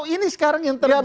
ini sekarang yang terjadi